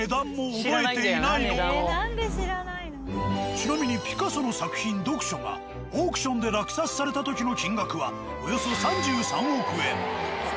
ちなみにピカソの作品「読書」がオークションで落札された時の金額はおよそ３３億円。